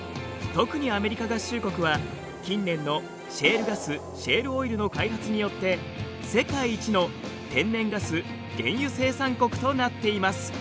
特にアメリカ合衆国は近年のシェールガスシェールオイルの開発によって世界一の天然ガス・原油生産国となっています。